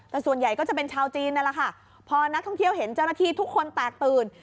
แต่ส่วนใหญ่ก็จะเป็นชาวจีนนั่นแหละค่ะพอนักท่องเที่ยวเห็นเจ้าหน้าที่ทุกคนแตกตื่น